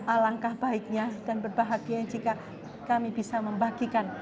alangkah baiknya dan berbahagia jika kami bisa membagikan